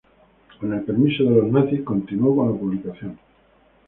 Con el permiso de los nazis, continuó con la publicación.